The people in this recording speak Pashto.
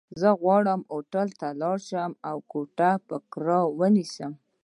زه غواړم هوټل ته ولاړ شم، او کوټه په کرايه ونيسم.